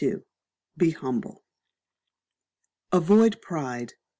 Be Humble. Avoid Pride.